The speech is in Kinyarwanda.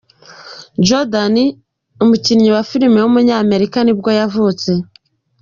Jordan, umukinnyi wa filime w’umunyamerika nibwo yavutse.